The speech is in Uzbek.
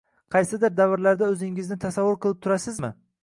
Qaysidir davrlarda o‘zingizni tasavvur qilib turasizmiю